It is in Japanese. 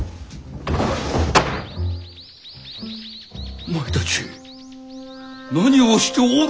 お前たち何をしておる！